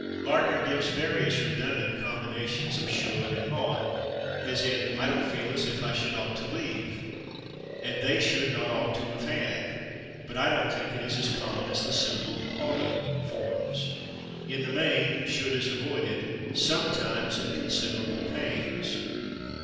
Lardner gives various redundant combinations of /should/ and /ought/, as in "I don't feel as if I /should ought to/ leave" and "they /should not ought to/ of had." I have encountered the same form, but I don't think it is as common as the simple /ought'a/ forms. In the main, /should/ is avoided, sometimes at considerable pains.